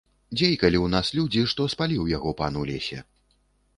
Дзейкалі ў нас людзі, што спаліў яго пан у лесе.